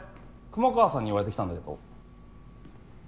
雲川さんに言われて来たんだけど。